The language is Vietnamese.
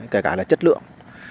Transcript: kể cả là chất lượng